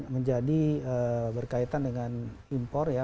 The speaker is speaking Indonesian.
menjadi berkaitan dengan impor ya